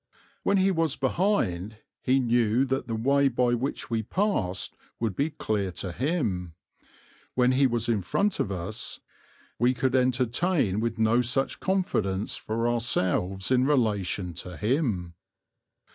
When he was behind he knew that the way by which we passed would be clear to him; when he was in front of us we could entertain no such confidence for ourselves in relation to him.